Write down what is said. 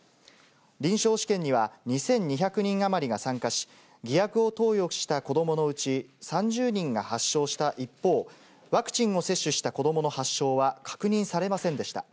臨床試験には２２００人余りが参加し、偽薬を投与した子どものうち、３０人が発症した一方、ワクチンが接種した子どもの発症は確認されませんでした。